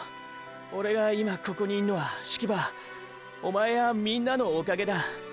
オレが今ここにいんのは葦木場おまえやみんなのおかげだ。